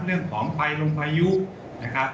เรื่องของไฟลงประยุกต์นะครับ